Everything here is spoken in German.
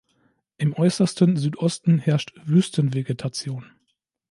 Im äußersten Südosten herrscht Wüstenvegetation.